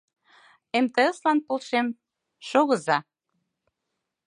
МТС-лан полшем шогыза!